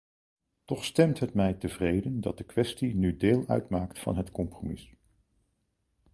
Toch stemt het mij tevreden dat de kwestie nu deel uitmaakt van het compromis.